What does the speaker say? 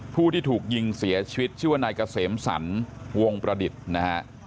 ผู้ที่ถูกยิงเสียชีวิตชื่อว่านายเกษมสรรวงประดิษฐ์นะฮะ